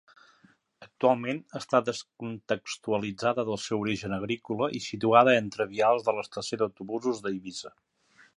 Actualment està descontextualitzada del seu origen agrícola i situada entre vials de l'estació d'autobusos d'Eivissa.